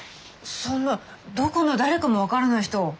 そんなどこの誰かも分からない人を。